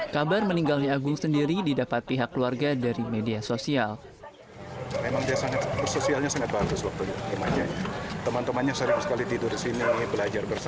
kabar meninggalnya agung sendiri didapat pihak keluarga dari media sosial